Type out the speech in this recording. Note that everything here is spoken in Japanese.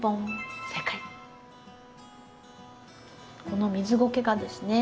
この水ごけがですね。